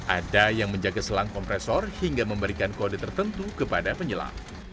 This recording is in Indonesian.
ada yang menjaga selang kompresor hingga memberikan kode tertentu kepada penyelam